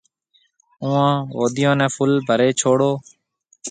اُوئون هوديون نَي ڦُل ڀريَ ڇوڙيَ هيَ۔